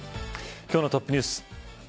今日のトップニュース。